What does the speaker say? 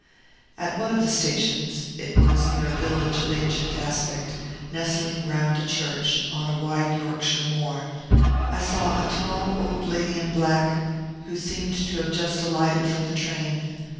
At one of the stations (it was near a village of ancient aspect, nestling round a church, on a wide Yorkshire moor) I saw a tall old lady in black, who seemed to have just alighted from the train.